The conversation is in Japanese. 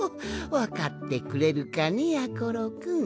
わかってくれるかねやころくん。